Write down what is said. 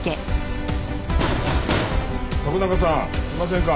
徳永さんいませんか！